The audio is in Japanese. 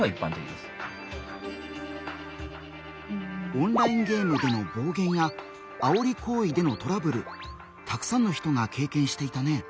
オンラインゲームでの暴言やあおり行為でのトラブルたくさんの人が経験していたね。